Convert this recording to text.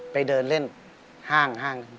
ไปเดินเล่นห้าง